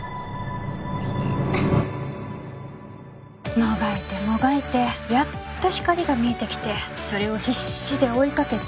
もがいてもがいてやっと光が見えてきてそれを必死で追いかけて。